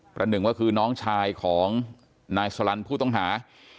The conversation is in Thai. หนึ่งก็คือน้องชายของนายสลันผู้ต้องหา